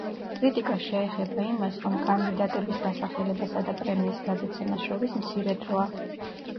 კრიტიკა შეეხება იმას, რომ კანდიდატების დასახლებასა და პრემიის გადაცემას შორის მცირე დროა.